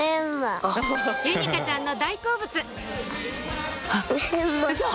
ゆにかちゃんの大好物そう！